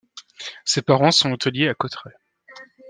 Ses parents sont hôteliers à Cauterets.